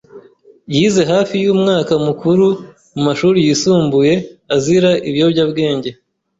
Yize hafi yumwaka mukuru mu mashuri yisumbuye azira ibiyobyabwenge.